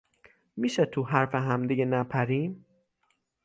میشه تو حرف همدیگه نپریم؟